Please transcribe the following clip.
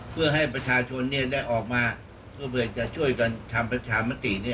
เพื่อให้ประชาชนได้ออกมาเพื่อจะช่วยกันทำประชามติ